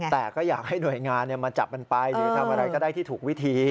แต่ก็อยากให้หน่วยงานมาจับมันไปหรือทำอะไรก็ได้ที่ถูกวิธี